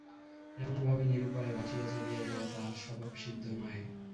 এমনভাবে নিরুপায় ভাসিয়া চলিয়া যাওয়া তাহার স্বভাবসিদ্ধ নহে।